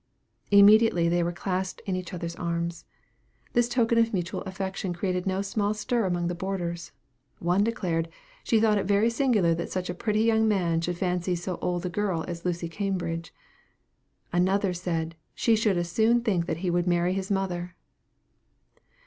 Immediately they were clasped in each other's arms. This token of mutual affection created no small stir among the boarders. One declared, "she thought it very singular that such a pretty young man should fancy so old a girl as Lucy Cambridge." Another said, "she should as soon think that he would marry his mother."